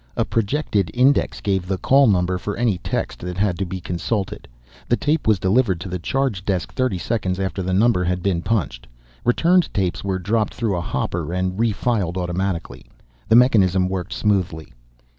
A projected index gave the call number for any text that had to be consulted. The tape was delivered to the charge desk thirty seconds after the number had been punched. Returned tapes were dropped through a hopper and refiled automatically. The mechanism worked smoothly.